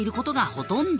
ほとんど